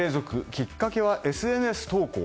きっかけはＳＮＳ投稿。